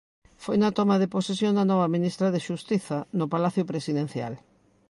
Foi na toma de posesión da nova ministra de Xustiza no palacio presidencial.